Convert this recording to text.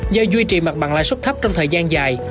do duy trì mặt bằng lãi suất thấp trong thời gian dài